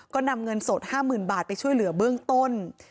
ก็นำเงินสด๕๐๐๐บาทไปช่วยเหลือเบื้องต้น